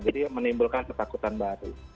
jadi menimbulkan ketakutan baru